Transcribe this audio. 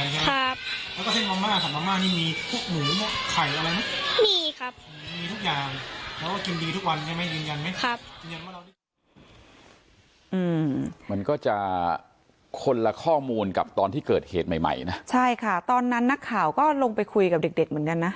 และข้อมูลกับตอนที่เกิดเหตุใหม่นะใช่ค่ะตอนนั้นนักข่าวก็ลงไปคุยกับเด็กเหมือนกันนะ